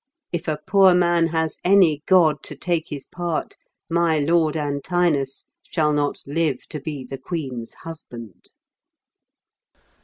If a poor man has any god to take his part, my lord Antinous shall not live to be the queen's husband."